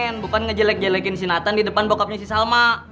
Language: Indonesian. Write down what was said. nggak bisa ngejelek jelekin si nathan di depan bokapnya si salma